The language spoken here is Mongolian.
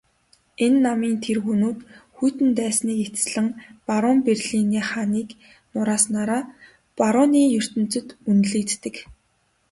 Энэ намын тэргүүнүүд хүйтэн дайныг эцэслэн баруун Берлиний ханыг нурааснаараа барууны ертөнцөд үнэлэгддэг.